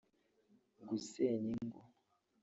gusenya ingo